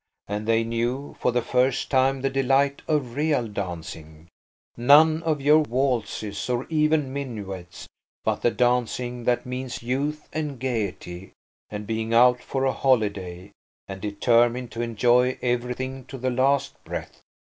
And they knew, for the first time, the delight of real dancing: none of your waltzes, or even minuets, but the dancing that means youth and gaiety, and being out for a holiday, and determined to enjoy everything to the last breath.